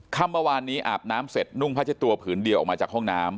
ค่ำเมื่อวานนี้อาบน้ำเสร็จนุ่งผ้าเช็ดตัวผืนเดียวออกมาจากห้องน้ำ